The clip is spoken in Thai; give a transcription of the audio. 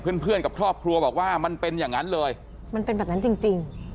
เพื่อนเพื่อนกับครอบครัวบอกว่ามันเป็นอย่างนั้นเลยมันเป็นแบบนั้นจริงจริง